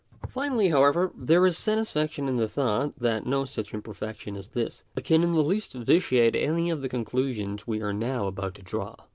§8. Finally, however, there is satisfaction in the thought, that no such imperfection as this, can in the least vitiate any of the conclusions we art now about to draw.